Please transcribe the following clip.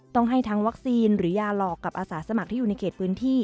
ต้องให้ทั้งวัคซีนหรือยาหลอกกับอาสาสมัครที่อยู่ในเขตพื้นที่